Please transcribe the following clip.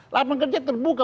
lapangan kerja terbuka